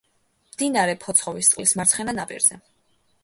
მდინარე ფოცხოვისწყლის მარცხენა ნაპირზე.